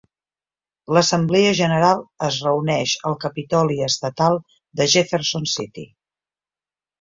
L'Assemblea General es reuneix al Capitoli Estatal de Jefferson City.